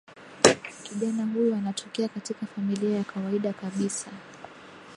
kijana huyu anatokea katika familia ya kawaida kabisa